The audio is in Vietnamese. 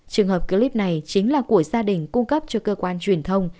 trường hợp clip này chính là của gia đình cung cấp cho cơ quan truyền thông